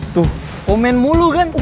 tuh komen mulu kan